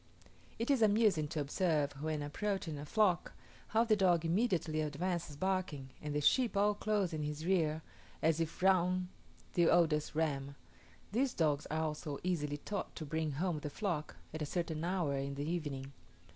It is amusing to observe, when approaching a flock, how the dog immediately advances barking, and the sheep all close in his rear, as if round the oldest ram. These dogs are also easily taught to bring home the flock, at a certain hour in the evening.